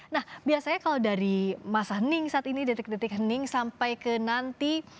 nah biasanya kalau dari masa ning saat ini detik detik hening sampai ke nanti